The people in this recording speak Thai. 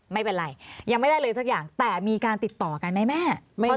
ไม่เป็นไรยังไม่ได้เลยสักอย่างแต่มีการติดต่อกันไหมแม่